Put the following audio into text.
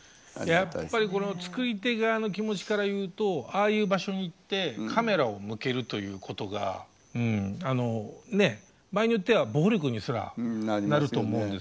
やっぱりこの作り手側の気持ちから言うとああいう場所に行ってカメラを向けるということがあのねっ場合によっては暴力にすらなると思うんです。